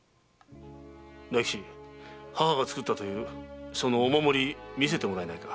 大吉母が作ったというそのお守り見せてくれないか。